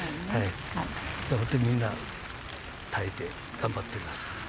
本当にみんな耐えて頑張っています。